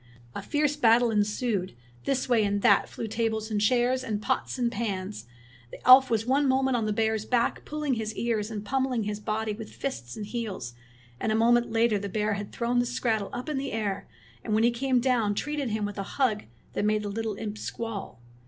A fierce battle ensued. This way and that flew tables and chairs, and pots and pans. The elf was one moment on the bear's back pulling his ears and pummeling his body with fists and heels; and a moment later the bear had thrown the skrattel up in the air, and when he came down treated him with a hug that made the little imp squall.